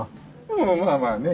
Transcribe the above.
うんまあまあね。